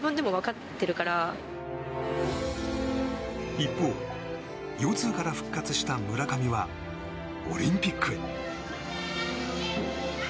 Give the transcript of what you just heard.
一方、腰痛から復活した村上はオリンピックへ。